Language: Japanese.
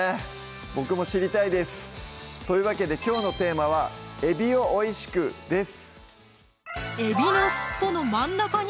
僕も知りたいですというわけできょうのテーマは「えびを美味しく！」です